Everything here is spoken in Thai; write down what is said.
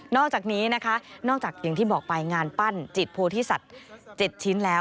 อกจากนี้นะคะนอกจากอย่างที่บอกไปงานปั้นจิตโพธิสัตว์๗ชิ้นแล้ว